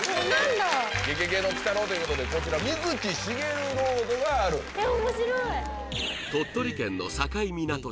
「ゲゲゲの鬼太郎」ということでこちら水木しげるロードがあるえっ